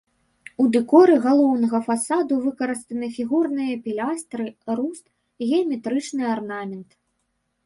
У дэкоры галоўнага фасада выкарыстаны фігурныя пілястры, руст, геаметрычны арнамент.